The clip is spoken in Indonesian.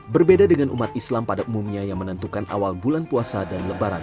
berbeda dengan umat islam pada umumnya yang menentukan awal bulan puasa dan lebaran